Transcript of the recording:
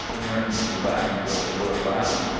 returned Black with a short laugh.